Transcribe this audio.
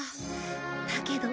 だけど。